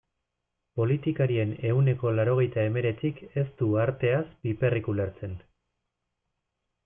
Politikarien ehuneko laurogeita hemeretzik ez du arteaz piperrik ulertzen.